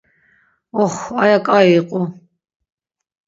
Ox, aya ǩai iqu.